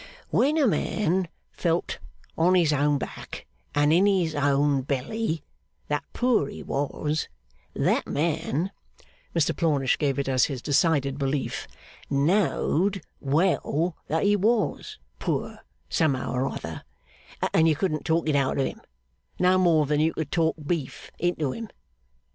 When a man felt, on his own back and in his own belly, that poor he was, that man (Mr Plornish gave it as his decided belief) know'd well that he was poor somehow or another, and you couldn't talk it out of him, no more than you could talk Beef into him.